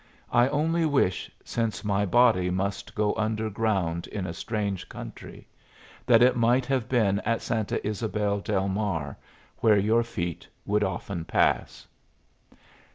I only wish, since my body must go underground in a strange country, that it might have been at Santa Ysabel del Mar, where your feet would often pass."